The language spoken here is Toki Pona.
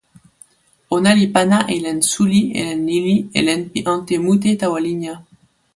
ona li pana e len suli e len lili e len pi ante mute tawa linja.